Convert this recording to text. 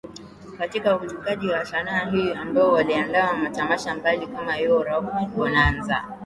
Katika ukuzaji wa sanaa hii ambapo waliandaa matamasha mbali kama Yo Rap Bonanza